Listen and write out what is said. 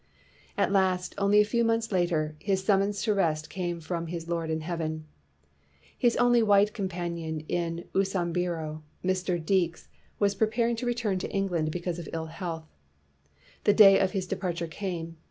At last, only a few months later, his sum mons to rest came from his Lord in heaven. His only white companion in Usambiro, Mr, 267 WHITE MAN OF WORK Deekes, was preparing to return to England because of ill health. The day of his de parture came.